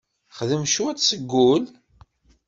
Xdem cwiṭ seg wul.